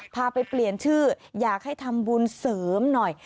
พาไปเปลี่ยนชื่ออยากให้ทำบุญเสริมหน่อย